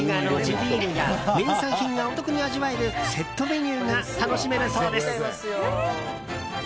ビールや名産品がお得に味わえるセットメニューが楽しめるそうです。